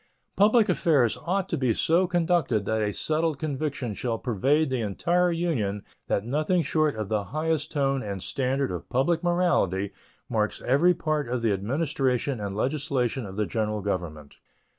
Public affairs ought to be so conducted that a settled conviction shall pervade the entire Union that nothing short of the highest tone and standard of public morality marks every part of the administration and legislation of the General Government.